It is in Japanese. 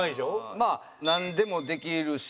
まあなんでもできるし。